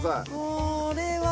これは。